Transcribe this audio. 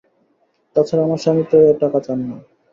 তা ছাড়া আমার স্বামী তো এ টাকা চান না।